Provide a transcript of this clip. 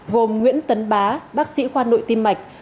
gồm nguyễn tấn bá bác sĩ khoa nội tim mạch